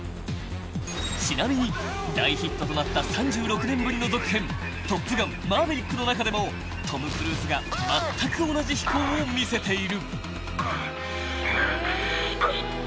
［ちなみに大ヒットとなった３６年ぶりの続編『トップガンマーヴェリック』の中でもトム・クルーズがまったく同じ飛行を見せている］